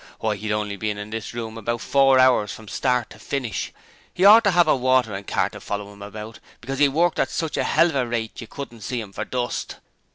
Why, he'd only been in this room about four hours from start to finish! He ought to have a watering cart to follow him about, because he worked at such a hell of a rate you couldn't see him for dust!